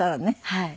はい。